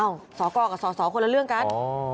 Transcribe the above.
อ้าวสอกกับสอคนละเรื่องกัน